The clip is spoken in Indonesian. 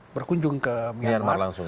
berkunjung ke myanmar